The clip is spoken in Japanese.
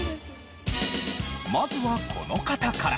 まずはこの方から。